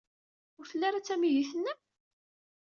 Ur tella ara d tamidit-nnem?